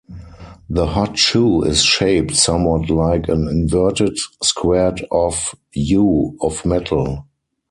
The hot shoe is shaped somewhat like an inverted, squared-off "U" of metal.